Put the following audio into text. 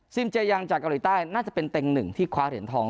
เจยังจากเกาหลีใต้น่าจะเป็นเต็งหนึ่งที่คว้าเหรียญทอง